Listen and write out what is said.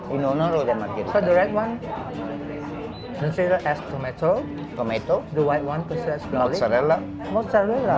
jadi yang merah itu disebut tomat yang putih itu adalah peralatan